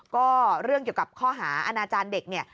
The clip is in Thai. ก็เรื่องเกี่ยวกับข้อหาอาณาจารย์เด็กเนี่ย